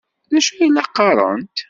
D acu ay la qqarent?